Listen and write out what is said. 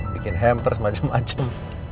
bikin hamper semacam macam